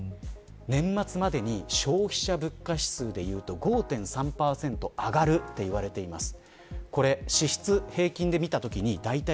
年末までに消費者物価指数でいうと５．３％上がると言われています。